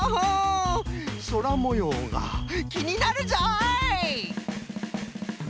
そらもようがきになるぞい！